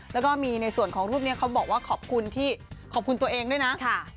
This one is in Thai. แล้วก็มีในส่วนของรูปนี้เขาบอกว่าขอบคุณที่ขอบคุณตัวเองด้วยนะ